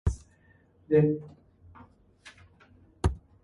Australia would go on to finish as runners-up behind Brazil.